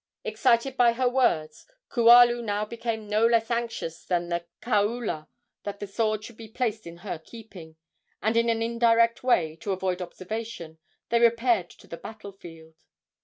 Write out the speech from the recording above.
Excited by her words, Kualu now became no less anxious than the kaula that the sword should be placed in her keeping, and in an indirect way, to avoid observation, they repaired to the battle field.